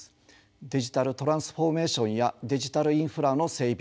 デジタルトランスフォーメーションやデジタルインフラの整備